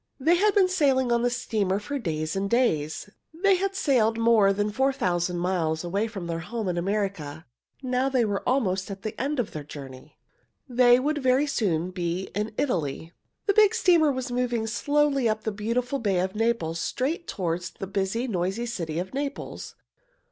They had been sailing on the steamer for days and days. They had sailed more than four thousand miles away from their home in America. Now they were almost at the end of their journey. They would very soon be in Italy. The big steamer was moving slowly up the beautiful Bay of Naples, straight toward the busy, noisy city of Naples.